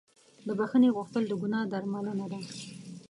د بښنې غوښتل د ګناه درملنه ده.